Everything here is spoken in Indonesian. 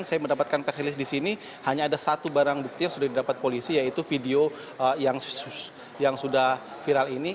saya mendapatkan press di sini hanya ada satu barang bukti yang sudah didapat polisi yaitu video yang sudah viral ini